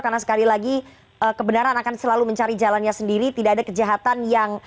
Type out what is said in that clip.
karena sekali lagi kebenaran akan selalu mencari jalannya sendiri tidak ada kejahatan yang